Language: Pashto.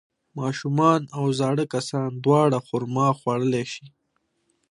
ماشومان او زاړه کسان دواړه خرما خوړلی شي.